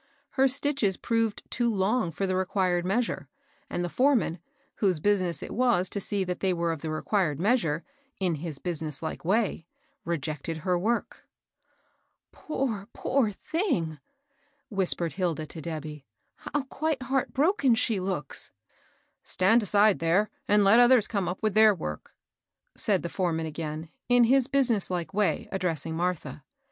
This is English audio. Her stitches proved too long for the required measure, and the foreman, whose business it was to see that they were of the required measure, in his business hke way, rejected her work. THE SALL LOFT. 206 Poor, poor thing !" whispered Hilda to Debby, " How quite heart broken she looks I '*^^ Stand aside there, and let others come up with theiir work," said the foreman again, in his busi ness like way, addressing Martha.